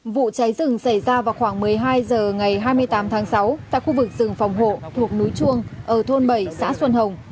vụ cháy rừng xảy ra vào khoảng một mươi hai h ngày hai mươi tám tháng sáu tại khu vực rừng phòng hộ thuộc núi chuông ở thôn bảy xã xuân hồng